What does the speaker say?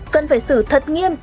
cần phải xử thật nghiêm